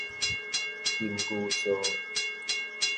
金牛座